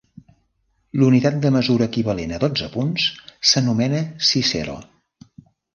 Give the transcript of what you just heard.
La unitat de mesura equivalent a dotze punts s'anomena cícero.